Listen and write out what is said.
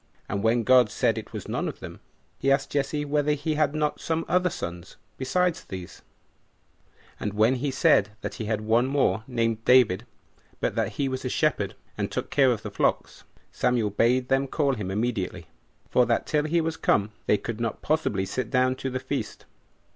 And when God said it was none of them, he asked Jesse whether he had not some other sons besides these; and when he said that he had one more, named David, but that he was a shepherd, and took care of the flocks, Samuel bade them call him immediately, for that till he was come they could not possibly sit down to the feast.